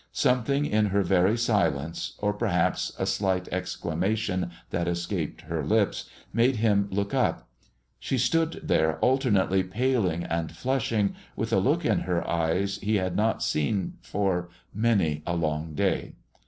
Something in her very silence, or perhaps a slight exclamation that escaped her lips, made him look up. She stood there, alternately paling and flushing, with a look in her eyes he had not seen for many a long day.